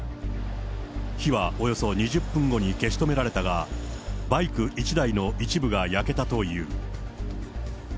火はおよそ２０分後に消し止められたが、バイク１台の一部が焼けたという。